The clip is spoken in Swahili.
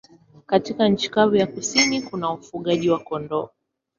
Katika nchi kavu ya kusini kuna ufugaji wa kondoo.